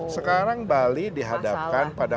sekarang bali dihadapkan pada